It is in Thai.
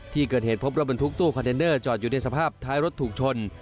ที่เกิดเหตุพบรถบรรทุกตู้คอนเทนเนอร์จอดอยู่ในสภาพท้ายรถถูกชน